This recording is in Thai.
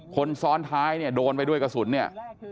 คนซ้อนท้ายเนี่ยโดนไปด้วยกระสุนเนี่ย